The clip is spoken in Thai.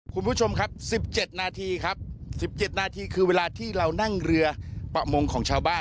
คุณผู้ชมครับ๑๗นาทีครับ๑๗นาทีคือเวลาที่เรานั่งเรือประมงของชาวบ้าน